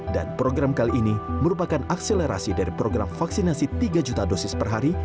dan program kali ini merupakan akselerasi dari program vaksinasi tiga juta dosis per hari